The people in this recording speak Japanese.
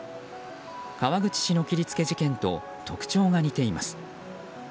川口市の切り付け事件と特徴が似ています。